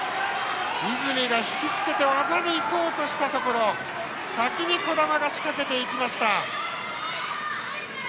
泉が引きつけて技に行こうとしたところ先に児玉が仕掛けていきました。